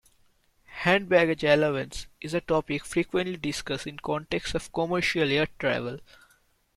Hand baggage allowance is a topic frequently discussed in context of commercial air travel.